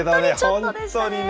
本当にね。